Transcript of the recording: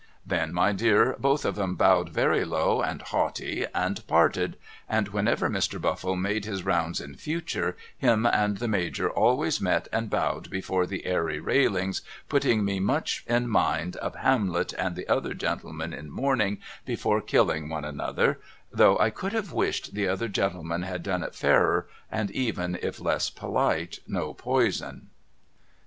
Then my dear both of 'em bowed very low and haughty and parted, and whenever Mr. Buffle made his rounds in future him and the Major always met and bowed before the Airy railings, putting me much in mind of Hamlet and the other gentleman in mourning before killing one another, though I could have wished the other gentleman had done it fairer and even if less polite no poison.